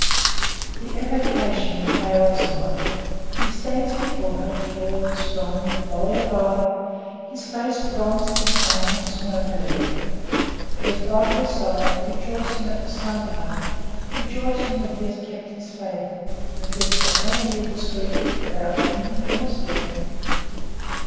The evocation fails not. He stands before her tall and strong, bold of eye, his face bronzed with sun and snow glare. He is by her side, rejoicing at the sight of her, rejoicing that he has kept his faith, has lived the whole year discreetly, without drinking or swearing.